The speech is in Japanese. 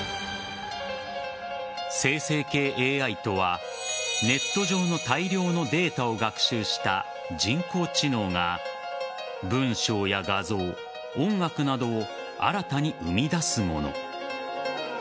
生成系ＡＩとはネット上の大量のデータを学習した人工知能が文章や画像、音楽などを新たに生み出すもの。